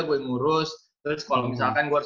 gue ngurus terus kalo misalkan gue harus